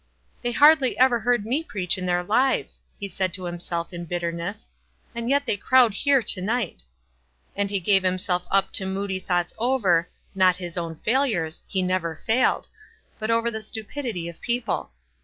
"They hardly ever heard me preach in their lives," he said to himself, in bitterness, "and yet they crowd here to night !" And he gave himself up to moody thoughts over, not his own fail ures — he never failed,— but over the stupidity of people.